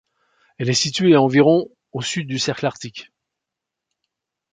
Elle est située à environ au sud du cercle Arctique.